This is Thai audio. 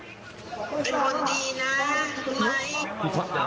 เป็นคนดีนะทุกคนใหม่